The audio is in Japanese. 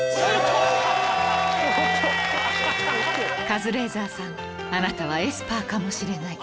カズレーザーさんあなたはエスパーかもしれない